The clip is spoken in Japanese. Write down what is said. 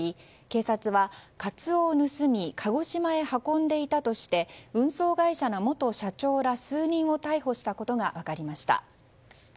警察はカツオを盗み鹿児島へ運んでいたとして運送会社の元社長ら数人を逮捕したことが分かりました。